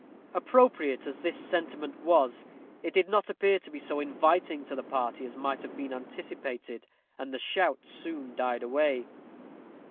Appropriate as this sentiment was, it did not appear to be so inviting to the party as might have been anticipated, and the shouts soon died away.